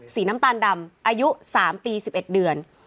สีน้ำตาลดำอายุ๓ปี๑๑เดือน